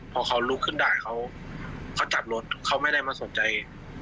พอเขาลุกขึ้นได้เขาจับรถเขาไม่ได้มาสนใจ